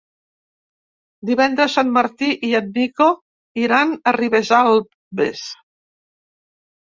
Divendres en Martí i en Nico iran a Ribesalbes.